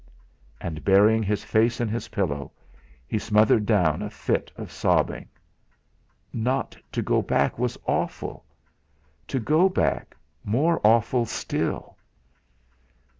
And burying his face in his pillow, he smothered down a fit of sobbing. Not to go back was awful! To go back more awful still!